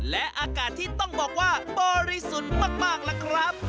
และอากาศที่ต้องบอกว่าบริสุทธิ์มากล่ะครับ